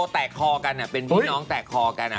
แตกคอกันเป็นพี่น้องแตกคอกัน